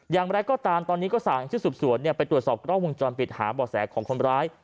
อย่างไรก็ตามตอนนี้ก็สั่งชุดสืบสวนไปตรวจสอบกล้องวงจรปิดหาบ่อแสของคนร้าย